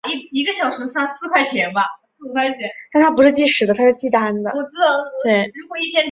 福田匝道是位于兵库县龙野市的太子龙野绕道之匝道。